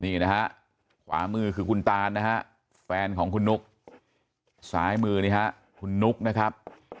นี่นะฮะขวามือคือคุณตานนะฮะแฟนของคุณนุ๊กซ้ายมือนี่ฮะคุณนุ๊กนะครับ